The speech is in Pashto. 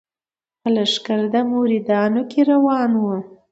په لښکر د مریدانو کي روان وو